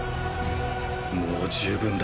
もう十分だ。